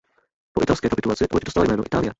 Po italské kapitulaci loď dostala jméno "Italia".